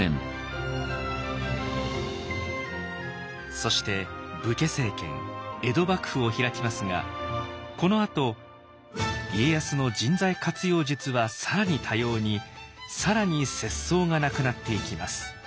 そして武家政権江戸幕府を開きますがこのあと家康の人材活用術は更に多様に更に節操がなくなっていきます。